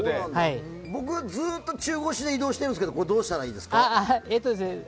僕ずっと中腰で移動しているんですけどどうしたらいいですか？